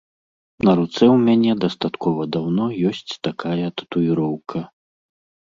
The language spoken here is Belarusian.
На руцэ ў мяне дастаткова даўно ёсць такая татуіроўка.